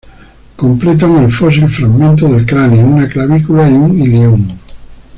Completan el fósil fragmentos del cráneo, una clavícula y un ilion.